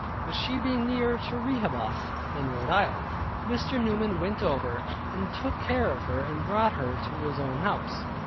But she being nearer Rehoboth than Rhode Island, Mr. Newman went over, and took care of her and brought her to his own house.